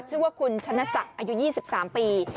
ชื่อว่าคุณชนะศักดิ์อายุ๒๓ปี